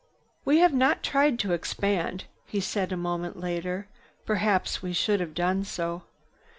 "We have not tried to expand," he said a moment later. "Perhaps we should have done so.